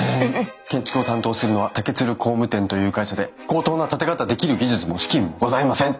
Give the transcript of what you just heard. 建築を担当するのは竹鶴工務店という会社で高等な建て方できる技術も資金もございません！